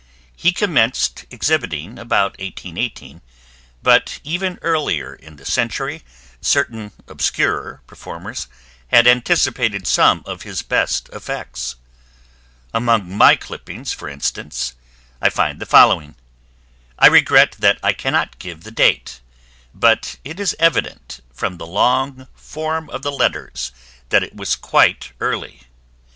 He commenced exhibiting about 1818, but even earlier in the century certain obscurer performers had anticipated some of his best effects. Among my clippings, for instance, I find the following. I regret that I cannot give the date, but it is evident from the long form of the letters that it was quite early.